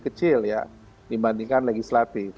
kecil ya dibandingkan legislatif